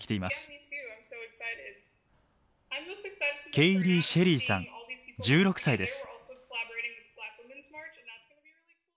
ケイリー・シェリーさん１６歳です。